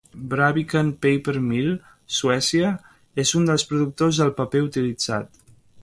Braviken Paper Mill, Suècia, és un dels productors del paper utilitzat.